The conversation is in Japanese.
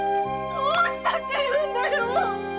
どうしたっていうんだよ！